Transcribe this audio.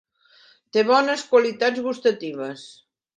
Té bones qualitats gustatives.